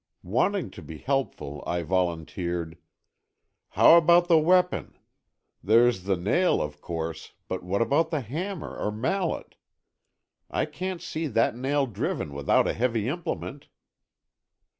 Wanting to be helpful, I volunteered: "How about the weapon? There's the nail, of course, but what about the hammer or mallet? I can't see that nail driven without a heavy implement."